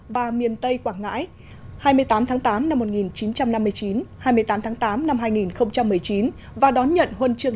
và miền tây quảng ngãi hai mươi tám tháng tám năm một nghìn chín trăm năm mươi chín hai mươi tám tháng tám năm hai nghìn một mươi chín và đón nhận huân trường